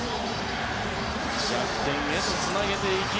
逆転へとつなげていき